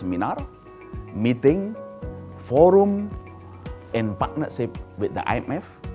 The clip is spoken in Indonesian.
pertemuan forum dan kerjasama dengan imf